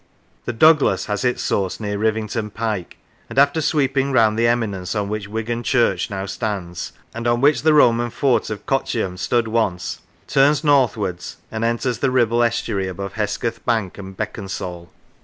The Douglas has its source near Rivington Pike, and after sweeping round the eminence on which Wigan Church now stands, and on which the Roman Fort of Coccium stood once, turns northwards and enters the Ribble estuary above Hesketh Bank and Becconsall.